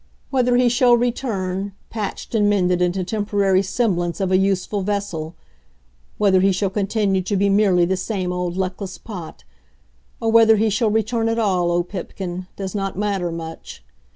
Whether he shall return, patched and mended into temporary semblance of a useful Vessel; whether he shall continue to be merely the same old Luckless Pot, or whether he shall return at all, O Pipkin, does not matter much.